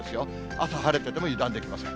朝、晴れてても油断できません。